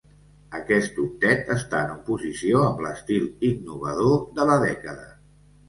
Aquest octet està en oposició amb l'estil innovador de la dècada.